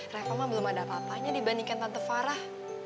reva mah belum ada apa apanya dibandingkan tante farah